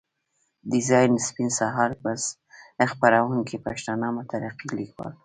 ډيزاين سپين سهار، خپروونکی پښتانه مترقي ليکوال.